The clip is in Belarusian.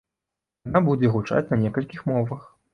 Яна будзе гучаць на некалькіх мовах.